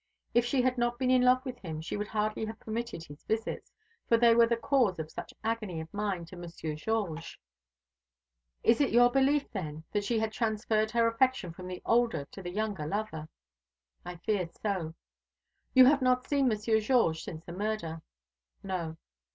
If she had not been in love with him she would hardly have permitted his visits, for they were the cause of such agony of mind to Monsieur Georges." "It is your belief, then, that she had transferred her affection from the older to the younger lover?" "I fear so." "You have not seen Monsieur Georges since the murder?" "No."